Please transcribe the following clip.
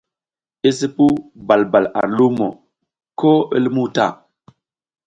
I sipuw bal bal ar lumo ko i lumuw ta.